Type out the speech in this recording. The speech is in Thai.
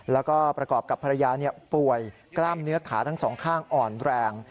แล้วก็ประกอบกับภรรยาป่วยกล้ามเนื้อขาทั้งสองข้างอ่อนแรง